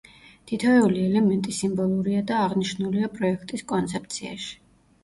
თითოეული ელემენტი სიმბოლურია და აღნიშნულია პროექტის კონცეფციაში.